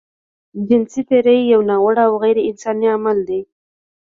جنسي تېری يو ناوړه او غيرانساني عمل دی.